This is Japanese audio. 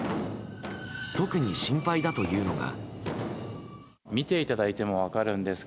特に心配だというのが。